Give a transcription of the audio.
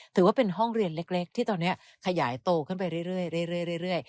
ถือว่าเป็นห้องเรียนเล็กที่ตอนนี้ขยายโตขึ้นไปเรื่อย